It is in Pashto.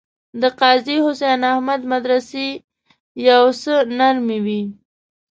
د قاضي حسین احمد مدرسې یو څه نرمې وې.